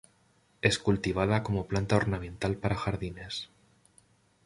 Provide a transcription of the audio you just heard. Es cultivada como planta ornamental para jardines.